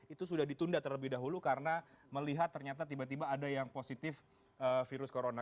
itu sudah ditunda terlebih dahulu karena melihat ternyata tiba tiba ada yang positif virus corona